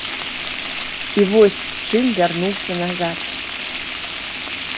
І вось з чым вярнуўся назад.